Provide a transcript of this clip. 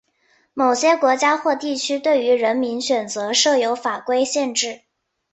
某些国家或地区对于人名选择设有法规限制。